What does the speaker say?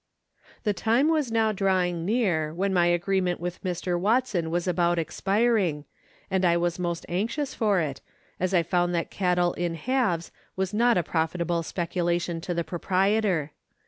The time was now drawing near when my agreement with Mr. Watson was about expiring, and I was most anxious for it, as I found that cattle in halves was not a profitable speculation to the proprietor.